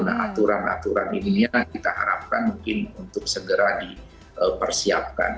nah aturan aturan ini yang kita harapkan mungkin untuk segera dipersiapkan